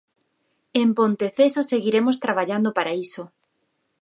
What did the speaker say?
En Ponteceso seguiremos traballando para iso.